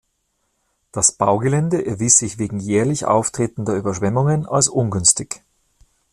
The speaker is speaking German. Das Baugelände erwies sich wegen jährlich auftretender Überschwemmungen als ungünstig.